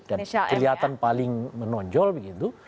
dan kelihatan paling menonjol begitu